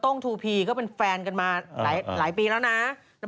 ้งทูพีก็เป็นแฟนกันมาหลายปีแล้วนะ